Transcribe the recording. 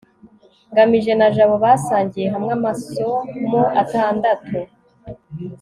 ngamije na jabo basangiye hamwe amasomo atandatu